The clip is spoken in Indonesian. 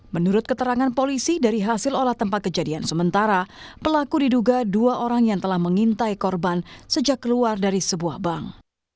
menurut keterangan polisi dari hasil olah tempat kejadian sementara pelaku diduga dua orang yang telah mengintai korban sejak keluar dari sebuah bank